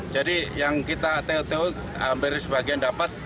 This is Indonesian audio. jadi yang kita to to hampir sebagian dapat